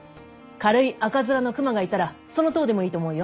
軽い赤面の熊がいたらその痘でもいいと思うよ。